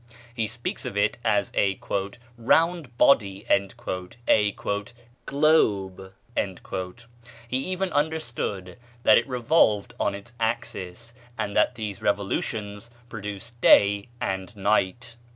He speaks of it as a "round body," a "globe;" he even understood that it revolved on its axis, and that these revolutions produced day and night.